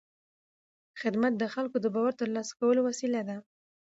خدمت د خلکو د باور د ترلاسه کولو وسیله ده.